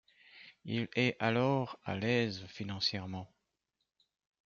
Il est alors à l'aise financièrement.